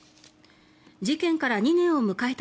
事件から２年を迎えた